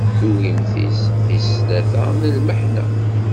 Tugimt-is seg tala n lmeḥna.